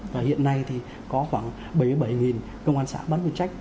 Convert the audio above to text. và hiện nay thì có khoảng bảy mươi bảy công an xã bán chuyên trách